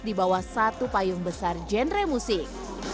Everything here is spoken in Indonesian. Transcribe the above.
di bawah satu payung besar genre musik